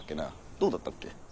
どうだったっけ？